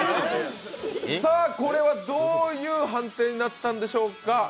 これはどういう判定になったんでしょうか。